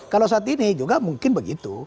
kalau saat ini juga mungkin begitu